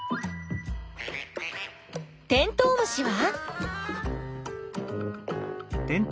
テントウムシは？